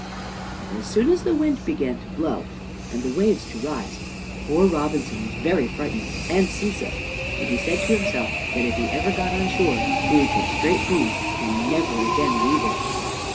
But as soon as the wind began to blow and the waves to rise, poor Robinson was very frightened and seasick, and he said to himself that if ever he got on shore he would go straight home and never again leave it.